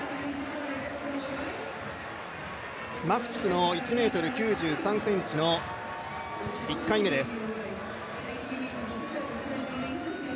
マフチクの１ｍ９３ｃｍの１回目です。